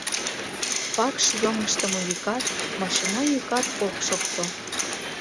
Вакш йоҥыштымо йӱкат, машина йӱкат ок шокто.